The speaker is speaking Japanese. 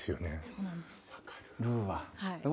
そうなんですはい。